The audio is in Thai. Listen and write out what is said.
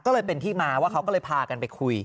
ก็เลยเป็นที่มาว่าเขาก็เลยพากันไปคุย